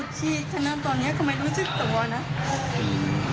เขาสามารถแขนห้ากข้อมือนะคิดว่าลูกมันจะเจ็บขนาดไหน